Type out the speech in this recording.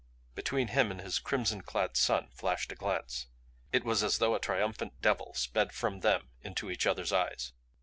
Between him and his crimson clad son flashed a glance; it was as though a triumphant devil sped from them into each other's eyes.